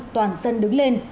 toàn dân đứng lên